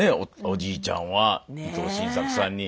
おじいちゃんは伊藤新作さんに。